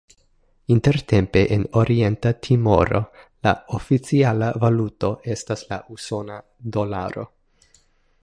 Intertempe en Orienta Timoro la oficiala valuto estas la usona dolaro.